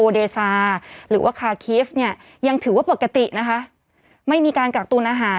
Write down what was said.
เดซาหรือว่าคาคีฟเนี่ยยังถือว่าปกตินะคะไม่มีการกักตูนอาหาร